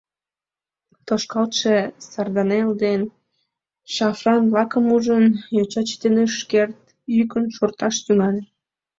Тошкалтше сарданелл ден шафран-влакым ужын, йоча чытен ыш керт, йӱкын шорташ тӱҥале.